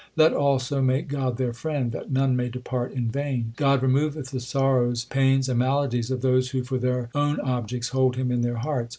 Let all so make God their friend That none may depart in vain. God removeth the sorrows, pains, and maladies of those Who for their own objects hold Him in their hearts.